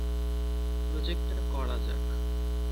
প্রজেক্টটা করা যাক।